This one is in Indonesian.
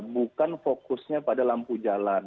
bukan fokusnya pada lampu jalan